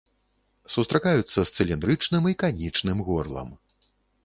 Сустракаюцца з цыліндрычным і канічным горлам.